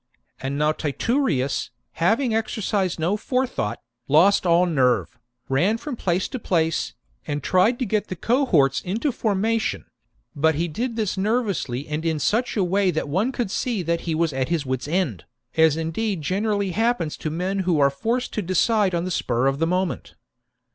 And now Titurius, having exercised no forethought, lost all nerve, ran from place to place, and tried to get the cohorts into formation ; but he did this nervously and in such a way that one could see he was at his wits' end, as indeed generally happens to men who are forced to decide on the spur of the moment.